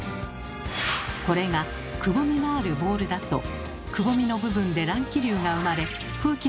これがくぼみがあるボールだとくぼみの部分で乱気流が生まれ空気の流れが乱れます。